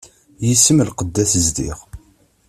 Yis-m lqedd ad t-zdiɣ.